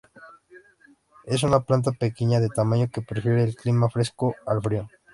Es una planta pequeña de tamaño que prefiere el clima fresco al frío.